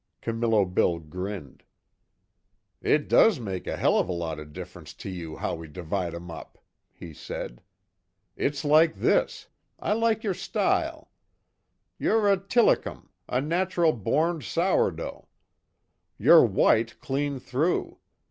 Camillo Bill grinned: "It does make a hell of a lot of difference to you how we divide 'em up," he said. "It's like this: I like your style. You're a tillicum a natural borned sourdough. You're white clean through.